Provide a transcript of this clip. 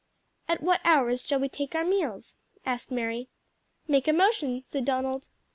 "At what hours shall we take our meals?" asked Mary. "Make a motion," said Donald.